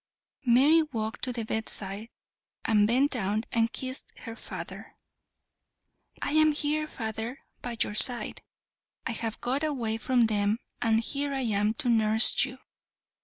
Mary walked to the bedside and bent down and kissed her father. "I am here, father, by your side. I have got away from them, and here I am to nurse you."